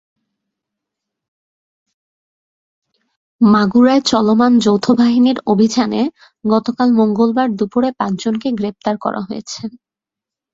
মাগুরায় চলমান যৌথ বাহিনীর অভিযানে গতকাল মঙ্গলবার দুপুরে পাঁচজনকে গ্রেপ্তার করা হয়েছে।